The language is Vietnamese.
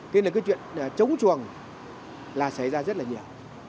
thế này cái chuyện chống chuồng là xảy ra rất là nhiều